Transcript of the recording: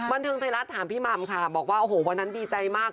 บันเทิงไทยรัฐถามพี่หม่ำค่ะบอกว่าโอ้โหวันนั้นดีใจมาก